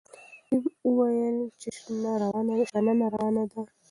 ټیم وویل چې شننه روانه ده.